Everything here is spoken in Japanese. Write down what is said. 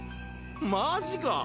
マジかぁ！